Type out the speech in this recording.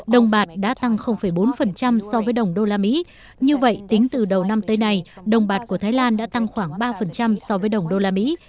đồng bạc đã tăng bốn so với đồng đô la mỹ như vậy tính từ đầu năm tới nay đồng bạc của thái lan đã tăng khoảng ba so với đồng đô la mỹ